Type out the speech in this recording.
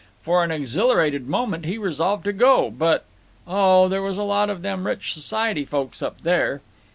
For an exhilarated moment he resolved to go, but—" oh, there was a lot of them rich society folks up there."